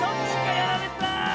やられた。